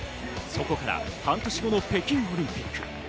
そこから半年後の北京オリンピック。